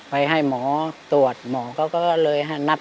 ไปให้หมอตรวจหมอก็เลยนับไป